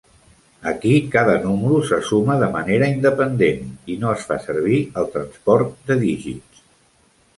Aquí cada número se suma de manera independent i no es fa servir el transport de dígits.